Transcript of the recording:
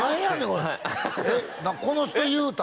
これこの人言うたん？